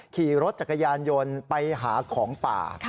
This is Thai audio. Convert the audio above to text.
ขี่รถจักรยานยนต์ไปหาของป่า